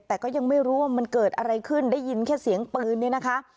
แต่ก็ยังไม่รู้ว่ามันเกิดอะไรขึ้นได้ยินแค่เสียงปืนเนี่ยนะคะ